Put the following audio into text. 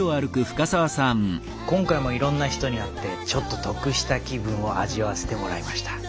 今回もいろんな人に会ってちょっと得した気分を味わわせてもらいました。